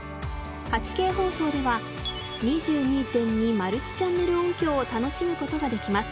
８Ｋ放送では２２．２マルチチャンネル音響を楽しむことができます。